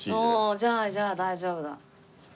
じゃあじゃあ大丈夫だ。